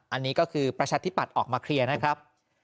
อันนี้ก็คือประชาธิปัตย์ออกมาเคลียร์นะครับ